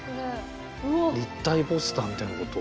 立体ポスターみたいなこと？